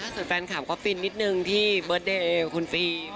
ส่วนแฟนคาร์มก็ฟินนิดนึงที่เบอร์สเดย์คุณฟรี